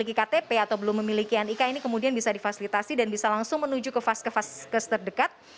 jadi bagaimana kalau ada orang yang belum memiliki nik nya kemudian bisa ditunjukkan ke fas kes terdekat